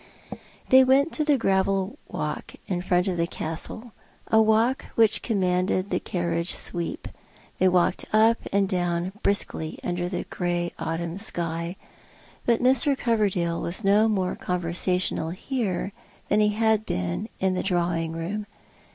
They went to the gravel walk in front of the Castle, a walk which commanded the carriage sweep. They walked up and down briskly under the grey autumn sky ; but Mr. Coverdale was no more conversational here than he had been in the drawing room.